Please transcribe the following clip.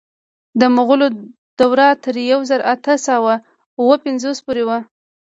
د مغولو دوره تر یو زر اته سوه اوه پنځوس پورې وه.